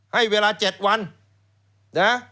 ให้เวลา๗วันนะ